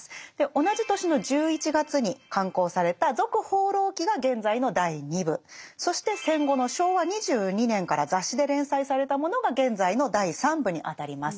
同じ年の１１月に刊行された「続放浪記」が現在の第二部そして戦後の昭和２２年から雑誌で連載されたものが現在の第三部に当たります。